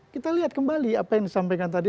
kita lihat kembali apa yang disampaikan tadi